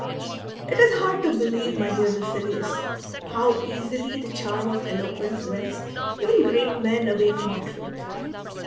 It is hard to believe, my dear Lucilius, how easily the charm of eloquence wins even great men away from the truth.